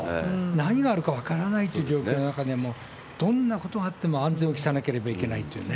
何があるか分からないという状況の中で、もうどんなことがあっても安全を期さなければいけないっていうね。